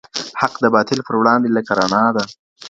حق د باطل پر وړاندي لکه رڼا ده.